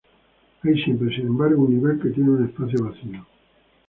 Hay siempre, sin embargo, un nivel que tiene un espacio vacío.